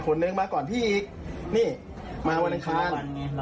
คนนึงมาก่อนพี่อีกนี่มาวันอังคาร